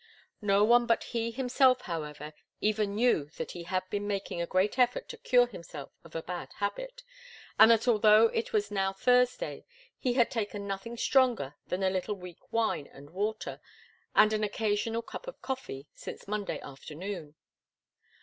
No one but he himself, however, even knew that he had been making a great effort to cure himself of a bad habit, and that although it was now Thursday, he had taken nothing stronger than a little weak wine and water and an occasional cup of coffee since Monday afternoon.